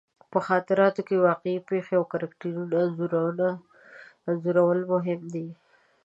په خاطراتو کې د واقعي پېښو او کرکټرونو انځورول مهم دي.